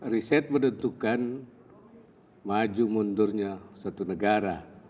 riset menentukan maju mundurnya satu negara